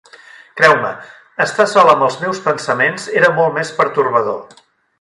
Creu-me, estar sol amb els meus pensaments era molt més pertorbador.